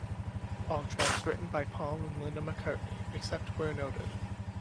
All tracks written by Paul and Linda McCartney, except where noted.